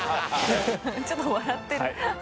ちょっと笑ってる。